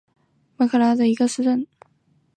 马拉卡雅是巴西圣卡塔琳娜州的一个市镇。